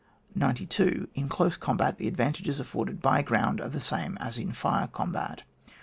92. In dose combat the advantages afforded by ground are the same as in fire combat.